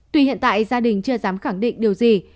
tuy hiện tại gia đình chưa dám khẳng định điều gì